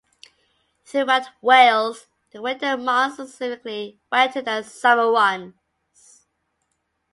Throughout Wales, the winter months are significantly wetter than the summer ones.